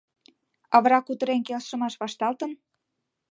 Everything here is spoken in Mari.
— А вара кутырен келшымаш вашталтын?